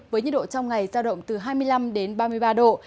với nhiệt độ trong ngày giao động từ hai mươi năm đến ba mươi ba độ